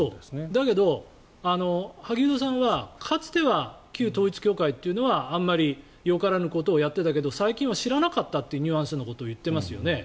だけど、萩生田さんはかつては旧統一教会というのはあんまりよからぬことをやっていたけど最近は知らなかったというニュアンスのことを言っていますよね。